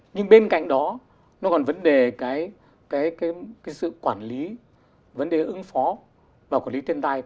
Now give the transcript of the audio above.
nhưng bên cạnh đó nó còn vấn đề sự quản lý vấn đề ứng phó và quản lý thiên tai